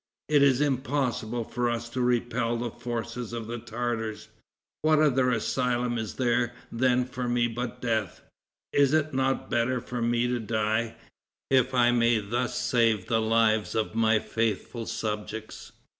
It is impossible for us to repel the forces of the Tartars. What other asylum is there then for me but death? Is it not better for me to die, if I may thus save the lives of my faithful subjects?"